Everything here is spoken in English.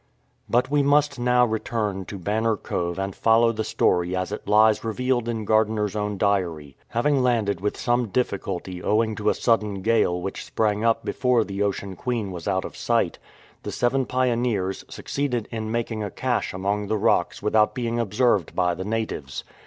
But we must now return to Banner Cove and follow the story as it lies revealed in Gardiner''s own diary. Having landed with some difficulty owing to a sudden gale which sprang up before the Ocean Queen was out of sight, the seven pioneers succeeded in making a cache among the rocks without being observed by the natives.